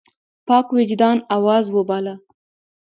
پاک وجدان آواز وباله.